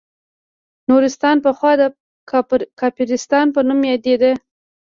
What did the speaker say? نورستان پخوا د کافرستان په نوم یادیده